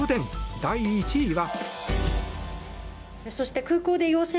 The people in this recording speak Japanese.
第１位は。